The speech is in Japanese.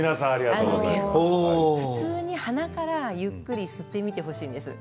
普通に鼻からゆっくり吸ってみてほしいんです。